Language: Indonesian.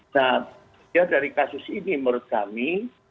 nah ya dari kasus ini menurut kami